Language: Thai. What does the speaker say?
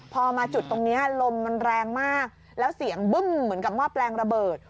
พอมาจุดตรงนี้ลมมันแรงมากแล้วเสียงบึ้มเหมือนกับหม้อแปลงระเบิด